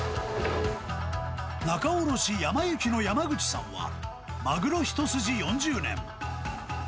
仲卸やまゆきの山口さんは、マグロ一筋４０年。